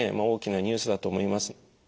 大きなニュースだと思います。